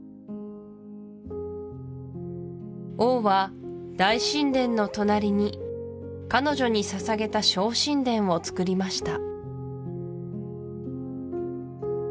王は大神殿の隣に彼女に捧げた小神殿をつくりました